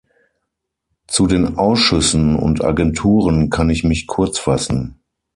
Zu den Ausschüssen und Agenturen kann ich mich kurz fassen.